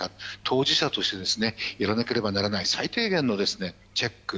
当事者としてやらなければならない最低限のチェック